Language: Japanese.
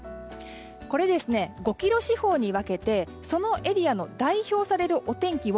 これは５ｋｍ四方に分けてそのエリアの代表されるお天気を